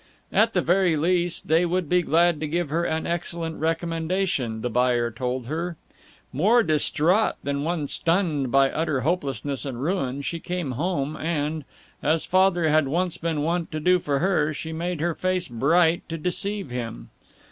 At the very least, they would be glad to give her an excellent recommendation, the buyer told her. More distraught than one stunned by utter hopelessness and ruin, she came home and, as Father had once been wont to do for her, she made her face bright to deceive him.